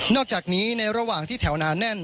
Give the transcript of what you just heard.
อกจากนี้ในระหว่างที่แถวหนาแน่น